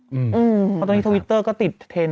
เพราะตอนนี้ทวิตเตอร์ก็ติดเทรนด